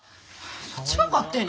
そっちが勝手に。